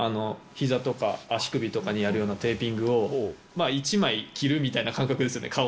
ひざとか足首とかにやるようなテーピングを、１枚着るみたいな感覚ですよね。